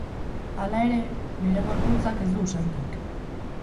Hala ere, bere gorputzak ez du usainik.